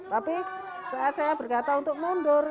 tapi saat saya berkata untuk mundur